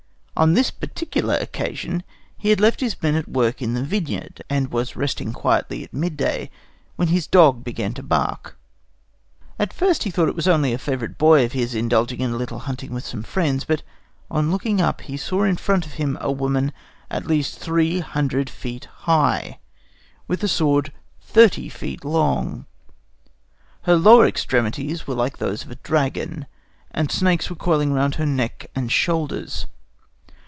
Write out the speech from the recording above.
On this particular occasion he had left his men at work in the vineyard, and was resting quietly at midday, when his dog began to bark. At first he thought it was only a favourite boy of his indulging in a little hunting with some friends; but on looking up he saw in front of him a woman at least three hundred feet high, with a sword thirty feet long. Her lower extremities were like those of a dragon, and snakes were coiling round her neck and shoulders.